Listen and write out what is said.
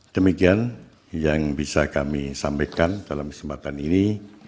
demikian yang bisa kami sampaikan dalam kesempatan ini